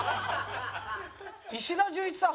石田純一さん